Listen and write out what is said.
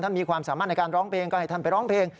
มีความสามารถในการร้องเพลงก็ให้ท่านไปร้องเพลง